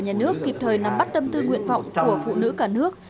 nhà nước kịp thời nắm bắt tâm tư nguyện vọng của phụ nữ cả nước